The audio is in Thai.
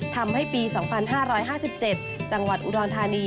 ทำให้ปี๒๕๕๗จังหวัดอุดรธานี